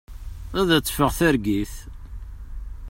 Ad d-teffeɣ targit.